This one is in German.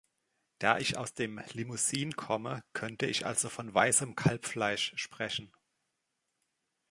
Da ich aus dem Limousin komme, könnte ich also von "weißem Kalbfleisch" sprechen.